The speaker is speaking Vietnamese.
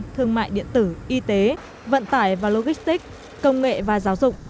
thương mại điện tử y tế vận tải và logistic công nghệ và giáo dục